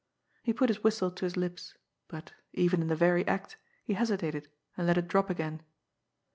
He put his whistle to his lips, but, even in the very act, he hesitated, and let it drop again.